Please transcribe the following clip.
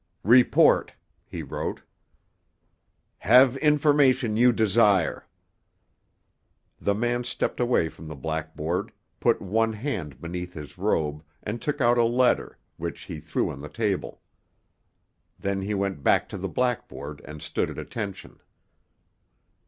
"Report," he wrote. "Have information you desire." The man stepped away from the blackboard, put one hand beneath his robe, and took out a letter, which he threw on the table. Then he went back to the blackboard and stood at attention.